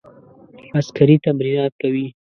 عسکري تمرینات کوي.